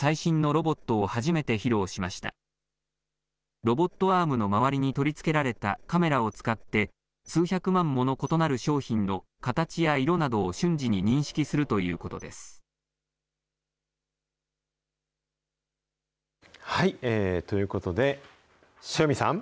ロボットアームの周りに取り付けられたカメラを使って、数百万もの異なる商品の形や色などを瞬時に認識するということです。ということで、塩見さん。